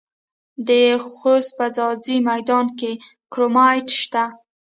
د خوست په ځاځي میدان کې کرومایټ شته.